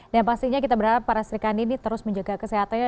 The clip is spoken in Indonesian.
dan pastinya kita berharap para serikandi ini terus menjaga kesehatannya